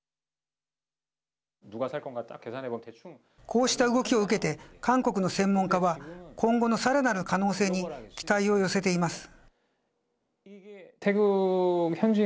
こうした動きを受けて韓国の専門家は今後のさらなる可能性に期待を寄せています。